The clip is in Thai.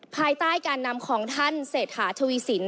ภายใต้การนำของท่านเศรษฐาทวีสิน